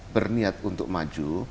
berniat untuk maju